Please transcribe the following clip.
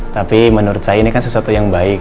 tapi menurut saya kan ini sesuatu yang baik